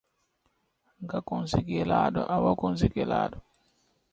Bod is analogous to God, hence the commonly used phrase Oh my Bod!